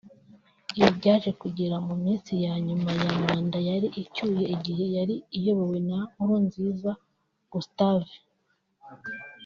Ibi byaje kugera mu minsi ya nyuma ya manda yari icyuye igihe yari iyobowe na Nkurunziza Gustave